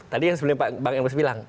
tadi yang sebelumnya pak bang emrus bilang